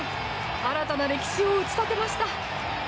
新たな歴史を打ち立てました。